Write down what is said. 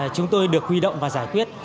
chúng tôi được huy động và giải quyết